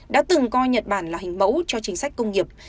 đã từng coi nhật bản là hình mẫu cho chính sách công nghiệp